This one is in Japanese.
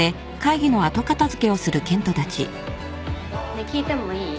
ねえ聞いてもいい？